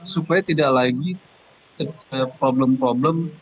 supaya tidak lagi problem problem